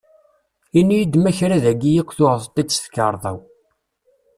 Ini-iyi-d ma kra dagi akk tuɣeḍ-t-id s tkarḍa-w?